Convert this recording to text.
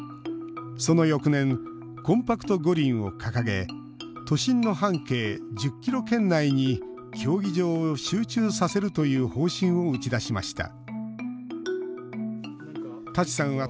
その翌年「コンパクト五輪」を掲げ都心の半径１０ｋｍ圏内に競技場を集中させるという方針を打ち出しました。